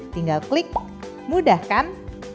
tinggal klik mudah kan